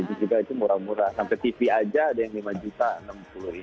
itu juga murah murah sampai tv aja ada yang lima juta enam puluh ini